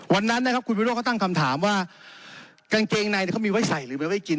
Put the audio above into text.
วันนั้นนะครับคุณวิวโดรก็ตั้งคำถามว่ากางเกงในเป็นไว้ใส่หรือไกน